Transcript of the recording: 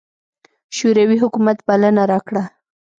شوروي حکومت بلنه راکړه.